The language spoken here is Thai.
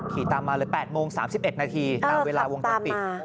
ขี่ตามมาเลยแปดโมงสามสิบเอ็ดนาทีตามเวลาวงตัวปิด